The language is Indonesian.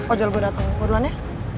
oh jual gue dateng gue duluan ya